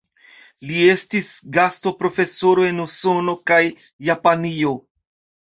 Li estis gastoprofesoro en Usono kaj Japanio.